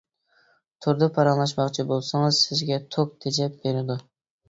توردا پاراڭلاشماقچى بولسىڭىز سىزگە توك تېجەپ بېرىدۇ.